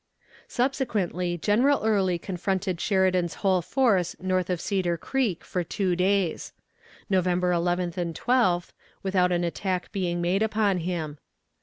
Subsequently General Early confronted Sheridan's whole force north of Cedar Creek for two days, November 11th and 12th, without an attack being made upon him.